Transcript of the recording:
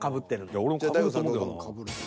いや俺もかぶると思うけどな。